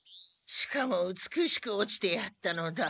しかもうつくしく落ちてやったのだ。